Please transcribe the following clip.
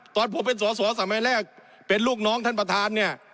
ตอนผมเป็นสอสอสมัยแรกเป็นลูกน้องท่านประธานเนี่ย